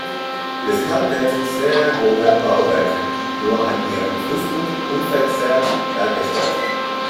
Deshalb werden sehr hohe Bauwerke nur an ihrem Fußpunkt unverzerrt dargestellt.